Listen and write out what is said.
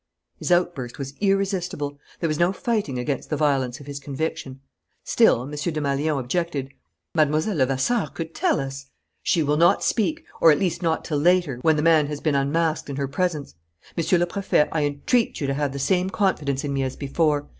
His outburst was irresistible. There was no fighting against the violence of his conviction. Still, M. Desmalions objected: "Mlle. Levasseur could tell us " "She will not speak, or at least not till later, when the man has been unmasked in her presence. Monsieur le Préfet, I entreat you to have the same confidence in me as before.